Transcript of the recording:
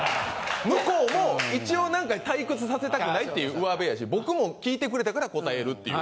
向こうも一応なんか退屈させたくないっていう上辺やし僕も聞いてくれたから答えるっていう。